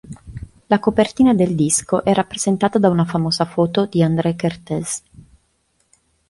La copertina del disco è rappresentata da una famosa foto di André Kertész.